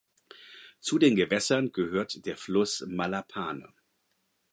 Zu den Gewässern gehört der Fluss Malapane.